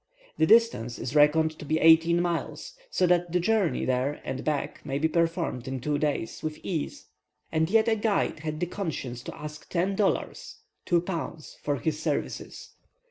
The distance is reckoned to be eighteen miles, so that the journey there and back may be performed in two days with ease, and yet a guide had the conscience to ask ten dollars (2 pounds) for his services.